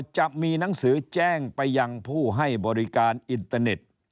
จะมีหนังสือแจ้งไปยังผู้ให้บริการอินเตอร์เน็ต